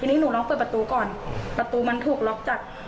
ทีนี้หนูลองเปิดประตูก่อนประตูมันถูกล็อกจาก